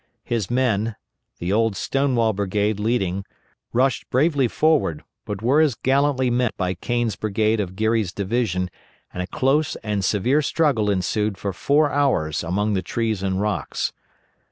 His men the old Stonewall brigade leading rushed bravely forward, but were as gallantly met by Kane's brigade of Geary's division and a close and severe struggle ensued for four hours among the trees and rocks.